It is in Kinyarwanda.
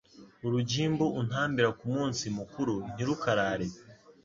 urugimbu untambira ku munsi mukuru ntirukarare